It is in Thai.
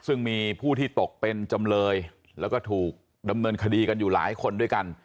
ซึ่งมีผู้ที่ตกเป็นจำเลยแล้วก็ถูกดำเนินคดีกันอยู่หลายคนด้วยกัน